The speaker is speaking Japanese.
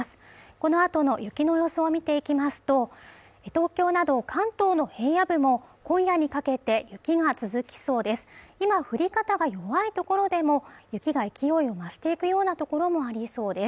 このあとの雪の予想を見ていきますと東京など関東の平野部も今夜にかけて雪が続きそうです